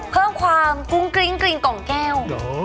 เพิ่มความกุ้งกริ้งกริ้งกล่องแก้ว